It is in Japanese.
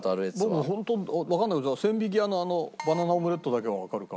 僕ホントわかんないけど千疋屋のバナナオムレットだけはわかるから食べたい。